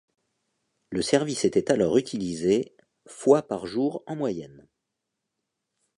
Le service était alors utilisé fois par jour en moyenne.